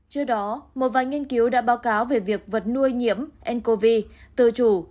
trước đó một vài nghiên cứu đã báo cáo về việc vật nuôi nhiễm ncov tự chủ